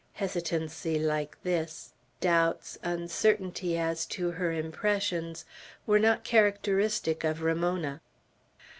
Hesitancy like this, doubts, uncertainty as to her impressions, were not characteristic of Ramona.